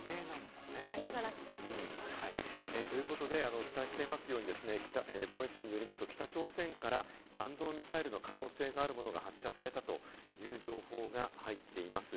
お伝えしていますようにですね、防衛省によりますと、北朝鮮から弾道ミサイルの可能性があるものが発射されたという情報が入っています。